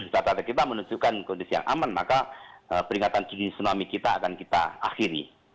data data kita menunjukkan kondisi yang aman maka peringatan dini tsunami kita akan kita akhiri